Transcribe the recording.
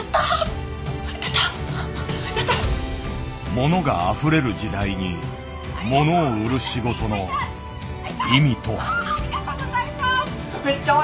物があふれる時代に物を売る仕事の意味とは。